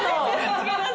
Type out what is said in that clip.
違います